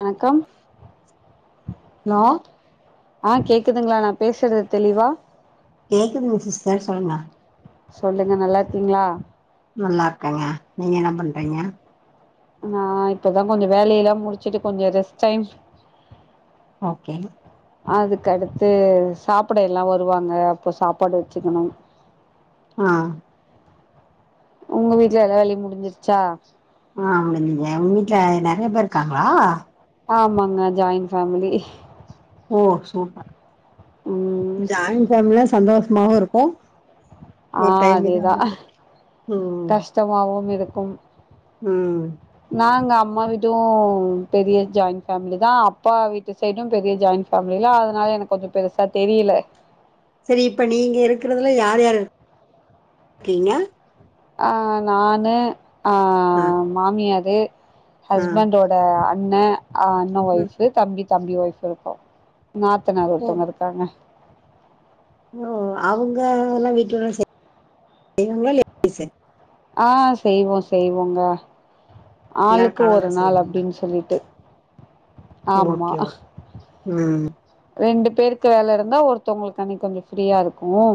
வணக்கம் ஹலோ ஆ கேக்குதுங்களா நா பேசுறது தெளிவா கேக்குதுங்க சிஸ்டர் சொல்லுங்க சொல்லுங்க நல்லா இருக்கீங்களா நல்லா இருக்கேங்க நீங்க என்ன பண்றீங்க நா இப்பதா கொஞ்சோ வேலையெல்லா முடிச்சுட்டு கொஞ்ச ரெஸ்ட் டைம் ஓகே அதுக்கடுத்து சாப்ட எல்லா வருவாங்க அப்ப சாப்பாடு வச்சுக்கணும் ஆ உங்க வீட்ல எல்லா வேலையு முடிஞ்சிருச்சா ஆ முடிஞ்சுங்க உங்க வீட்ல நறைய பேர் இருக்காங்களா ஆமாங்க ஜாயின் ஃபேமிலி ஓ சூப்பர் ம் ஜாயின் ஃபேமிலில சந்தோஷமாவு இருக்கு ஆ ஒரு டைம் அதேதா இதாவுது ம் கஷ்டமாவு இருக்கும் ம் நா அங்க அம்மா வீட்டும் பெரிய ஜாயிண்ட் ஃபேமிலிதா அப்பா வீட்டு சைடும் பெரிய ஜாயிண்ட் ஃபேமிலி அதனால எனக்கு கொஞ்ச பெருசா தெரியல செரி இப்ப நீங்க இருக்குறதுல யார் யார் இருக்கீங்க அ நானு அ ஆ மாமியாரு ஆ ஹஸ்பண்டோட அண்ண அ அண்ண ம் ஒய்ஃப் தம்பி தம்பி ஒய்ஃப் இருக்கோ நாத்தனார் ஓ ஒருத்தவங்க இருக்காங்க ஓ அவங்க எல்லா வீட்டு வேலையல்லா செய்வாங்களால இல்ல [unintelligible] ஆ செய்வோ செய்வோங்க எல்லாரு ஆளுக்கு ஒரு காலந்தா நாள் செய்வீங்களா அப்படின்னு சொல்லிட்டு ஆமா ஓகே ஓகே ம் ரெண்டு பேருக்கு வேலை இருந்தா ஒருத்தவங்களுக்கு அன்னிக்கு கொஞ்சம் ஃப்ரீயா இருக்கும்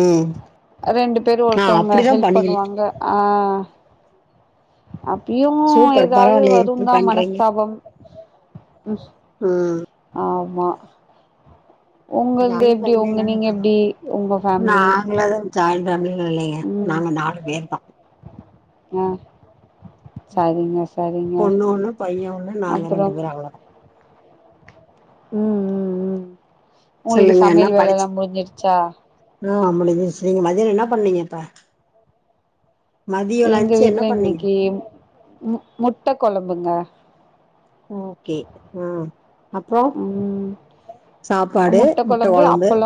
ம் ரெண்டு பேரும் ஆ ஒருத்தவங்க அப்படிதா ஹெல்ப் பண்ணுவீங்க பண்ணுவாங்க ஆ அப்பயும் சூப்பர் ஏதாவது பரவாயில்லயே வரும் இப்டி தான் பண்றீங்க மனஸ்தாபம் ம் ஆமா உங்கள்து ஜாயின் எப்படி உங்க ஃபேமிலினால நீங்க இப்டிதா எப்படி உங்க ஃபேமிலி ஃபேமிலி லா இல்லைங்க ம் நாங்க நாலு பேர்தா ஆ சரிங்க சரிங்க பொண்ணு ஒண்ணு பைய ஒண்ணு நாங்க ரெண்டு அப்புறம் பேரு அவ்ளோதா ம் ம் ம் உங்களுக்கு சொல்லுங்க என்ன சமையல் வேலை படிச்சு எல்லாம் முடிஞ்சிருச்சா ஆ முடிஞ்சிருச்சி மதியம் என்ன பண்ணீங்க இப்ப மதியோ எங்க லன்ச்சு என்ன வீட்ல பண்ணீங்க இன்னைக்கு மு முட்ட கொழம்புங்க ஓகே ஆ அப்றோ சாப்பாடு முட்டை முட்ட குழம்பு கொழம்பு அப்பள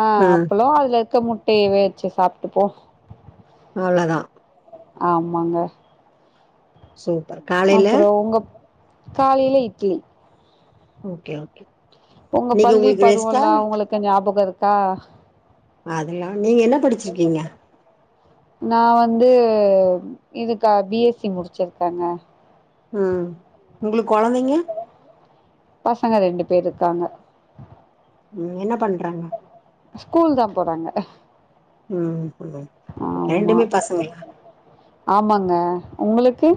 ஆ ம் அப்பள அதுல பக்க முட்டைய வேவச்சு சாப்ட்டு போ அவ்ளதா ஆமாங்க சூப்பர் காலையில அப்புறோ உங்க காலையில இட்லி ஓகே ஓகே உங்க இன்னைக்கு பள்ளி உங்களுக்கு ரெஸ்ட்டா பருவல்லா உங்களுக்கு ஞாபக இருக்கா அதெல்லா நீங்க என்ன படிச்சிருக்கீங்க நா வந்து இதுக்க பிஎஸ்சி முடிச்சிருக்கங்க ம் உங்களுக்கு குழந்தைங்க பே இருக்காங்க ம் என்ன பண்றாங்க ஸ்கூல் தான் போறாங்க ம் ஆமா ரெண்டுமே பசங்களா ஆமாங்க உங்களுக்கு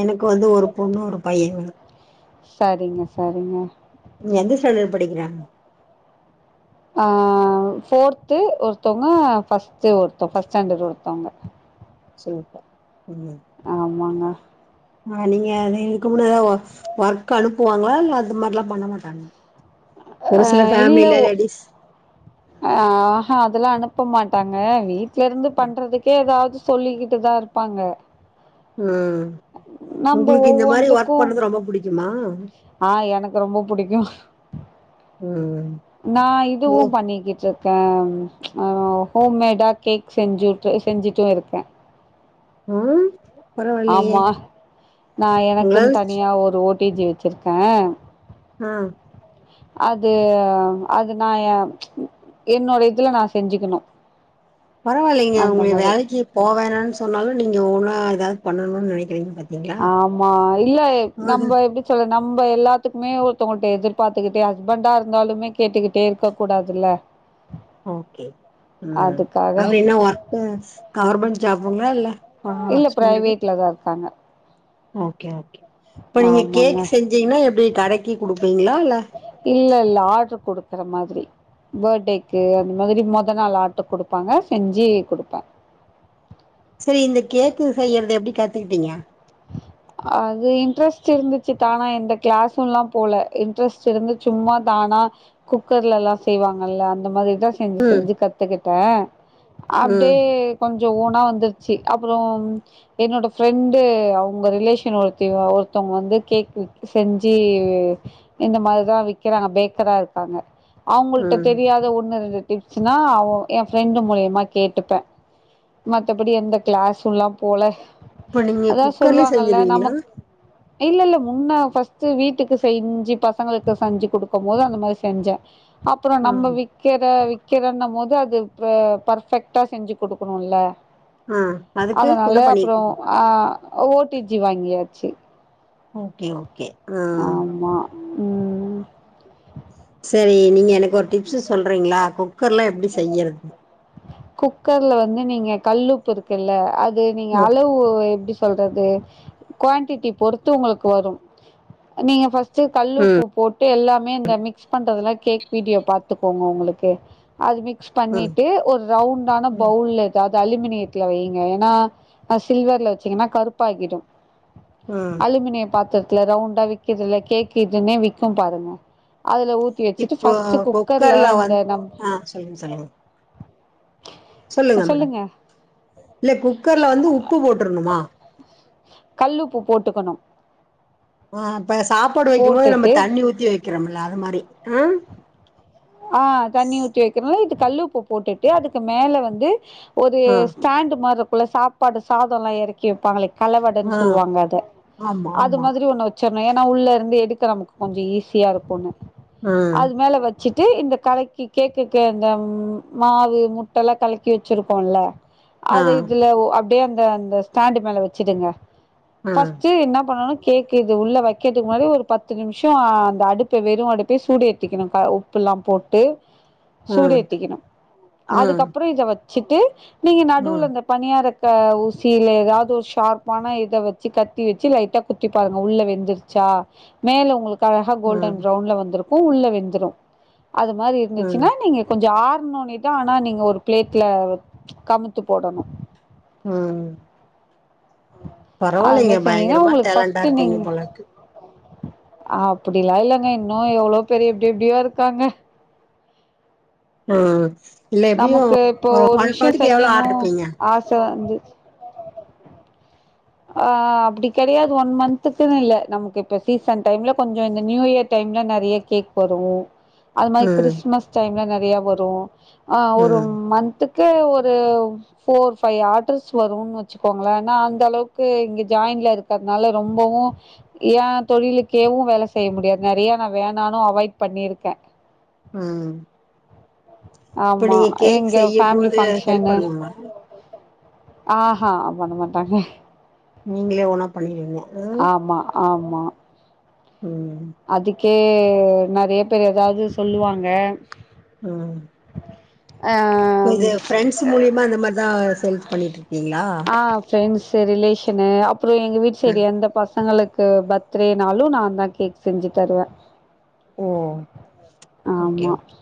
எனக்கு வந்து ஒரு பொண்ணு ஒரு பைய [inaudible] சரிங்க, சரிங்க. நீ எந்த ஸ்டண்டர்டு படிக்கிறாங்க ஆ ஃபோர்து ஒருத்தவங்க ஃபஸ்ட்டு ஒருத்து ஃபஸ்ட் ஸ்டாண்டர்ட் ஒருத்தவங்க சூப்பர் ஆமாங்க ஆ நீங்க அது இருக்கு முன்ன ஏத ஒர்க் அனுப்புவாங்களா இல்ல அது மாதிரி எல்லா பண்ண மாட்டாங்கலா அ இல்லவோ ஆ ஆஹா அதுலா அனுப் அனுப்ப மாட்டாங்க வீட்ல இருந்து பண்றதுக்கே ஏதாவது சொல்லிக்கிட்டுதான் இருப்பாங்க ம் நம்ப உங்களுக்கு இந்த மாரி ஒர்க் ஒவ்வொன்துக்கும் பண்ணறது ரொம்ப புடிக்குமா ஆ எனக்கு ரொம்ப புடிக்கு ம் நான் இதுவும் ம் பண்ணிக்கிட்டு ம் ஹோம் மேடா கேக் செஞ்சு செஞ்சுட்டு இருக்கே அ ஆமா நா உங்களால எனக்கும் தனியா ஒரு ஓடிஜி வச்சிருக்கேன் ஆ அது அது நான் என்னோட இதுல நான் செஞ்சுக்கணு பரவாயில்லைங்க அந்த உங்கள மாதிரி வேலைக்கு போ வேணான்னு சொன்னாலு நீங்க ஓன்னா ஏதாவது பண்ணணும்னு நினைக்கிறீங்க பாத் ஆமா இல்லை நம்ம எப்படி சொல்ல நம் ரொம்ப எல்லாத்துக்குமே ஒருத்தங்கோல்ட்ட எதிர்பார்த்துக்கிட்டே ஹஸ்பண்டா இருந்தாலுமே கேட்டுக்கிட்டே இருக்க கூடாதுல்ல ஓகே ம் அதுக்காக அவரு என்ன ஒர்க்காஸ் கவர்மெண்ட் ஜாப்புங்களா இல்ல ஆ இல்லை ஹஸ்பண்டுக்கு பிரைவேட்ல தான் இருக்காங்க ஓகே ஓகே இப்ப நீங்க ஆமாங்க கேக் செஞ்சீங்கன்னா எப்டி கடைக்கி குடுப்பீங்களா இல்ல இல்லை இல்லை ஆர்டரு கொடுக்குற மாதிரி பேர்த்டேக்கு அந்த மாதிரி மொதல் நாள் ஆர்டர் குடுப்பாங்க செஞ்சு குடுப்பே சரி இந்த கேக்கு செய்யுறத எப்படி கத்துக்கிட்டீங்க அது இன்ட்ரெஸ்ட் இருந்துச்சு தானா எந்த கிளாஸும் எல்லா போல இன்ட்ரெஸ்ட் இருந்து சும்மா தா ஆனா குக்கர்ல எல்லா செய்வாங்கல்ல அந்த மாதிரி மெதுவா செஞ்சு ம் செஞ்சு கத்துக்கிட்டேன் ம் அப்டியே கொஞ்ச கொஞ்சம் ஓன்னா வந்துருச்சு அப்புறம் என்னோட ஃப்ரெண்டு அவு உங்க ரிலேஷன் ஒருத்தி ஒருத்தவுங்க வந்து கேக் செஞ்சு இந்த மாதிரி தான் விக்கிற பேக்கரா இருக்காங்க அவுங்கள்ட்ட ம் தெரியாத ஒன்னு ரெண்டு டிப்ஸ்னா அவன் என் ஃப்ரெண்டு் மூலயமா கேட்டுப்பே மத்தபடி எந்த கிளாஸ்ஸுலாம் போல இப்ப நீங்க அதா குக்கர்லயே சொல்வாங்கல்ல நமக் செஞ்சிருவீங்களா இல்ல இல்ல முன்ன ஃபஸ்ட்டு வீட்டுக்கு செய்ஞ்சு பசங்களுக்கு செஞ்சு குடுப்பே மொத அந்த மாரி செஞ்ச அப்பறோ நம்ம ம் விக்கிற விக் கிறண்ணம் போது அது ப பர்ஃபெக்ட்டா செஞ்சு குடுக்கணுல. ஆ அதுக்கு அதனால என்ன அப்றோ பண்ணிருக்கீங்க அ ஓ டி ஜி வாங்கியாச்சு. ஓகே ஓகே அ ஆமா ம் செரி நீங்க எனக்கு ஒரு டிப்ஸ் சொல்றீங்களா குக் குக்கர்ல வந்து நீங்க கல்லுப்பு இருக்குல்ல அது நீங்க ம் அளவு எப்டி சொல்றது குவான்டிட்டிய பொறுத்து உங்களுக்கு வரும் நீங்க ஃபர்ஸ்ட்டு கல்லுப்பு போட்டு எல்லா மே இந்த மிக்ஸ் பண்றதுல கேக் வீடியோ பாத்துக்கோங்க உங்களுக்கு அது மிக் ஸ் ம் பண்ணிட்டு ஒரு ரவுண்டான ம் பவுல் எதாவ்து த அலுமினியத்துல வைங்க ஏன்னா அ சில்வர்ல வச்சீங்கன்னா கருப்பாகிடு. ம் அலுமினிய பாத்திரத்துல ரவுண்டா வி்க்கிதுல கேக் இதுன்னே விக்கும் பாருங்க. அதுல ஊத்தி வச்சுட்டு இப்போ ஃபஸ்ட்டு குக்கர்ல அந்த வந்து நம் [unintelligible] சொல்லுங்க சொல்லுங்க மேடம் இல்ல குக்கர்ல வந்து உப்பு போட்றணுமா? கல்லுப்பு போட்டுக்கணு. அ அப்ப சாப்பாடு வைக்கும் போது நம்ம தண்ணி ஊத்தி வைக்கிறோம்ல அது மாரி அ அ தண்ணி ஊத்தி வைக்கணு இது கல்லுப்பு போட்டுட்டு அதுக்கு மேல வந்து ஒரு ஆ ஸ்டாண்டு மார் இருக்குள்ள சாப்பாடு சாதொல்லா எறக்கி வப்பாங்களே கலவடன்னு ஆ சொல்லுவாங்க அத ஆமா அது ஆமா மாதிரி ஒன்ன வைக் ச்சரணு ஏன்னா உள்ள இருந்து எடுக்க நமக்கு கொஞ்சொ ஈஸியா இருக்கொன்னு ஆ அது மேல வச் சிட்டு இந்த கலக்கி கேக்குக்கு இந்த மாவு முட்டல்லா கலக்கி வச்சிருக்கோல ஆ அத இதுல ஓ அப்டியே அந்த அந்த ஸ்டாண்டு மேல வச்சிடுங்க. ஆ ஃபஸ்ட்டு என்ன பண்ணணு கேக் இது உள்ள வைக்கதுக்கு முன்னாடி ஒரு பத்து நிமிஷொ அந்த அடுப்பே வெறு அடுப்பே சூடு ஏத்திக்கணு கா உ ப்புல்லாம் போட்டு ஆ ஆ சூடு ஏத்திக்கணு அதுக்கப்பறொ ஆ இத வச்சுட்டு நீங்க நடுவுல இந்தப் பணியாரத் க்க ஊசி இல்ல எதாவது ஒரு ஷார்ப்பான இத வச்சு கத்தி வச்சு லைட்டா குத்தி பாருங்க உள்ள வெந்துருச்சா கா மேல உங்களுக்கு அழகா ஆ கோல்டன் ப்ரவுன்ல வந்திருக்கூ உள்ள வெந்துரு அது மாரி ஆ இருந்துச்சுன்னா நீங்க கொஞ்சொ ஆர் க்கும்னோனேதா ஆனா நீங்க ஒரு பிளேட்ல கமுத்து போடணு. ம் அது மாறி செஞ்சீங்கன்னா உங்களுக்கு டேலண்டா ஃபஸ்ட் இருப்பீங்க நீங்க போலருக்கு அப்புடிலா இல்லங்க இன்னு எவ்ளோ பேர் எப்டி எப்டியோ ருக்காங்க. அ நமக்கு இப்போ ஒரு விஷயொ எவ்ளோ செய்யணு ஆர்டர் எடுப்பீங்க ஆச வந்துச் ஆ அப்புடி கெடையாது ஒன் மந்த்துக்குனு இல்ல நமக்கு இப்ப சீசன் டைம்ல கொஞ்சொ இந்த நியூ இயர் டைம் இன்னு நெறைய கேக் வரு அது மாரி ம் கிறிஸ்மஸ் டைம்ல நெறைய வரு ஆ ஒரு ம் மந்த்துக் கு ஒரு ஃபோர் ஃபைவ் ஆர்டர்ஸ் வருன் வச்சுக்கோங்களே நா அந்த அளவுக் கு இங்க ஜாயின்ல இருக்கறனால ரொம்பவு ஏ தொழிலுக்கேவு வேல செய்ய முடியாது நெறைய த நா வேணானு அவாய்ட் பண்ணிருக்கே. ம் இப்ப ஆமா நீங்க கேக் எங்க செய்யும் ஃபேம்லி போது ஹெல்ப் ஃபங்க்ஷன்னு பண்ணுவாங்களா ஆ ஹா பண்ண மாட்டாங்க நீங்களே ஓனா பண்ணிருவீங்க ம் உமா ம் அதுக்கே நெறைய பேர் எதாது சொல்லுவாங்க. ம் ஆ இது ப்ரெண்ட்ஸ் மூலியமா அந்த மாரிதா சேல்ஸ் பண்ணிட்ருக்கீங்ளா ஆ ஃப்ரெண்ட்ஸு ரிலேஷனு அப்பற எங்க வீட்டு அ சைடு எந்த பசங்களுக்கு பர்த்டேனாலு நான் தா கேக் செஞ்சு தருவ ஓ ஓகே ஓகே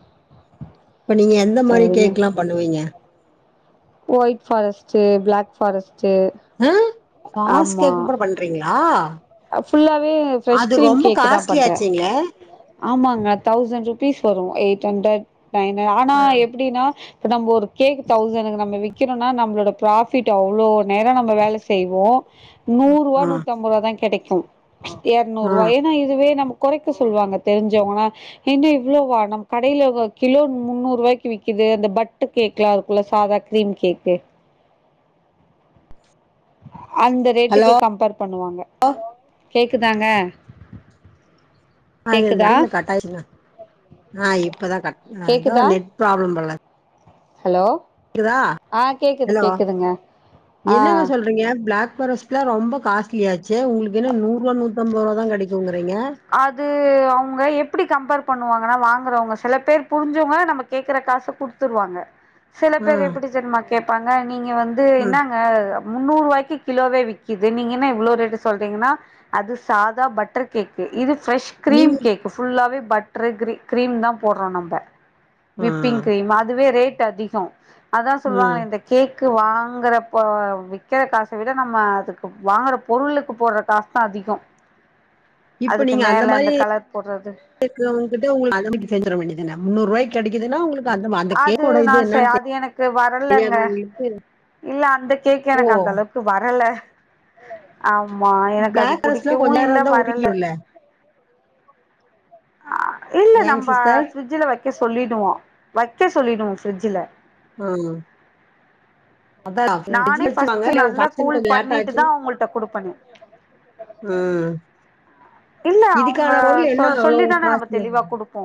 இப்ப நீங்க எந் எந்த மாரி சரிங்க கேக்லா பண்ணுவீங்க ஒயிட் பாரஸ்ட்டு பிளாக் பாரஸ்ட்டு ஆ பாஸ் கேக் கூட பண்றீங்ளா அ புல்லாவே ப்ரெஷ் கிரீம் கேக் தா காஸ்ட்லி பண்ற ஆச்சுங்களே ஆமாங்க தௌசண்ட் ருபீஸ் வரு எயிட் ஹண்ட்ரட் நயன் ஆனா ஆ எப்டின்னா இப்ப நம்ப ஒரு கேக் தௌசனுக்கு நம்ம விக்கிறோனா நம்ளோட ப்ராபிட் அவ்ளோ நேரம் நம்ம வேல செய்வோ நூருவா ஆ நூத்தம்பதுவா தான் கெடைக்கு ஆ எரநூரூவா ஏன்னா இதுவே நமக்கு கொறைக்க சொல்வாங்க தெரிஞ்சவங்க என்ன இவ்ளோவா நம் கடைல எவ கிலோ முன்னூறு ரூபாய்க்கு விக்குது கு அந்த பட்டு கேக்லா இருக்கு இல்ல சாதா க்ரீம் கேக்கு அந்த ரேட்டுக்கு ஹலோ கம்பேர் பண்ணுவாங்க கேக்குதாங்க [unintelligible] கேக்குதா நடுவுல கட்டாய்ருச்சுங்க ஆ இப்பதா கட் அ எதோ கேக்குதா நெட் ப்ராப்ளம் போல ஹலோ க்குதா ஆ கேக்குது ஹலோ கேக்குதுங்க ஆ என்னங்க சொல்றீங்க பிளாக் பாரஸ்ட்ல ரொம்ப காஸ்ட்லியாச்செ உங்களுக்கென்ன நூரூபா நூத்தம்பது ரூபா கெடைக்குங் அது அவுங்க எப்டி கம்பேர் பண்ணுவாங்கன்னா வாங் றங்க சில பேர் புரிஞ்சவுங்க நம்ம கேக்குற காச குடுத்துருவாங்க சில ஆ பேர் எப்டி ஜென்மா கேப்பாங்க நீங்க வந்து ஆ என்னாங்க முன்னூறு ரூபாய்க்கு கிலோவே விக்குது நீங்க என்ன இவ்வளோ ரேட்டு சொல்றீங்கன்னா அது சாதா பட்டர் கேக் இது ப்ரஷ் க்ரீம் நீங்க கேக் புல்லாவே பட்டர் கிரி க்ரீம் தா போட்றோ நம்ப ஆ விப்பிங் க்ரீம் அதுவே ரேட் அதிக அதா ம் சொல்வாங்க இந்த கேக் க்கு வாங்கற போ விக்கற காச விட நம்ம அதுக்கு வாங்குற பொருளுக்கு போட்ற காசு தா அதி திக இப்ப நீங்க அந்த மாரி கேக்கறவாங்கிட்ட கடமைக்கு செஞ்சர வேண்டியதானா முன்னூரூபாய்க்கு கெடைக்குதுன்னா உங்களுக் அது நா ச அது எனக்கு வரலங்க தெரியாதவங்களுக்கு, இல்ல அந்த கேக்கு ஓ! எனக்கு அந்த அளவுக்கு வரல ஆம் மா எனக்கது பிளாக் ஃபாரஸ்ட்லாம் புடிக்கவு கொஞ்ச இல்ல நேரம் தான் வரல உரிக்கும்ல. அ இல்ல ஏங்க நம்ப சிஸ்டர்? பிரிட்ஜ்ல வைக்க சொல்லிடுவோ. வைக்க சொல்லிடுவோ பிரிட்ஜ்ல [unintelligible] அதா நானே பிரிஜ்ல ஃபர்ஸ்ட் வச்சிருவாங்க நல்லா பங்க்ஷன் கூல் கொஞ்சோ பண்ணிட்டு லேட்டாச்சு தா அவங்கள்ட்ட குடுப்பனே ம் இல்ல அவங்க இதுக்கான பொருள் என்ன சொல் அவ்ளோ சொல்லி தான நம்ம காஸ்லியாம் தெளிவா குடுப்போ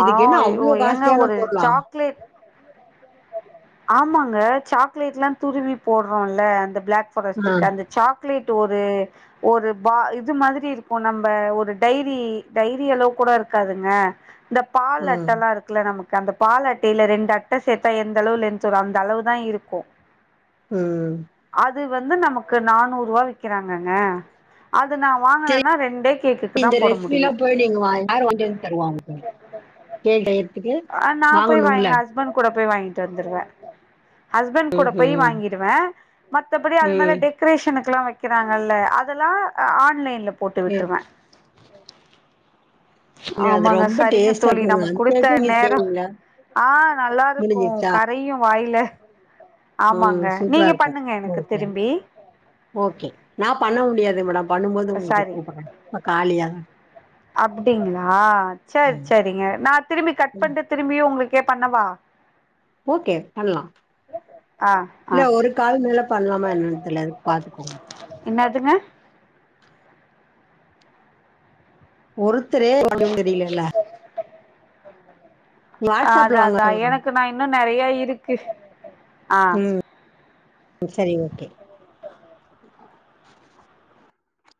ஆ இதுக்கு என்ன ஓ அவ்ளோ ஏங்க காஸ்ட்லியான ஒரு பொருளா? சாக்லேட் ஆமாங்க சாக்லேட்ல்லா துருவி போட்றோல அந்த பிளாக் ஆ. பாரஸ்ட்டுக்கு அந்த சாக்லேட் ஒரு ஒரு பா இது மாதிரி இருக்கு. நம்ப ஒரு டைரி டைரி அளவு கூட இருக்காதுங்க. இந்த பால் ம். அட்டல்லா இருக்குல நமக் அந்த பால் அட்டைல ரெண்டு அட்ட சேத்தா எந்த அளவு லெண்த் வரு அந்தளவுதா இருக்கு. ம் அதுவந்து நமக்கு நானூர்ருவா விக்கிறாங்கங்க. அது நா சரி வாங்கனன்னா ரெண்டே கேக்குக்கு தா இந்த போட ரெசிபிலா முடியு போய் நீங்க யாரு வாய்ன்டுவந்தருவா உங்களுக்கு கே டேயத்துக் ஆ நா போய் வாய் எங்க ஹஸ்பண்ட் கூட போய் வாங்கிட்டு வந்துருவ. ஹஸ்பண்ட் கூட போய் ம்ஹ்ம். வாங்கிடுவ. மத்தபடி அது மேல ம். டெக்கரேஷனுக்குல்லா வைக் கிறாங்கல்ல அதெல்லா ஆன்லைன்ல போட்டு அ. விட்ருவ. இல்ல அது ஆமாங்க ரொம்ப சரிங்க டேஸ்ட்டா தோழி இருக்குங்க. அந்த நமக்குடுத் அளவுக்கு நீங்க தநேரோ செய்வீங்களா? ஆ நல்லா இருக்கு முடிஞ்சிருச்சா? கரையு வாயில ம் ஆமாங்க சூப்ரா நீங்க இருக்கு பண்ணுங்க எனக்கு ஓகே ஓக் திரும்பி ஓகே நா பண்ண முடியாது மேடம் பண்ணும்போது உங்களுக்கு கூப்டுறே இப்ப காலியா அப்டிங்ளா சேர் ம். சேரிங்க நா திரும்பி கட் ம். பண்ட்டு திரும்பியு உங்களுக் கே பண்ணவா ஓக்கே பண்லா ஆ ஆ இல்ல ஒரு கால் மேல பண்லாமா என்னன்தெர்ல எதுக் பாத்துக்கோங்க என்னதுங்க ஒருத்தரே எப்டின்னு தெரீலல்ல அதா அதா சொல்றேன். எனக்கு நா இன்னு நெறையா இருக்கு ஆ செரி ஓக்கே